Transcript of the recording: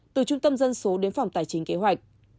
từ trung tâm dân số đến phòng tài chính kế hoạch